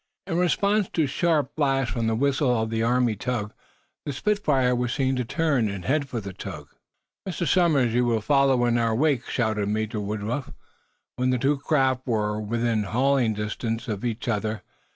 In response to sharp blasts from the whistle of the Army tug, the "Spitfire" was seen to turn and head for the tug. "Mr. Somers, you will follow in our wake," shouted Major Woodruff, when the two craft were within hailing distance of each other.